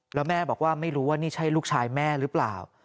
แล้วแม่บอกว่าไม่รู้ว่านี่ใช่ลูกชายแม่หรือเปล่า